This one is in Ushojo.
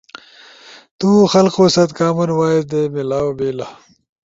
تُو خلقو ست کامن وائس دے میلاؤ بیلا